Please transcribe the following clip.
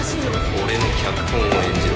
「俺の脚本を演じろ」